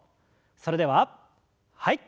それでははい。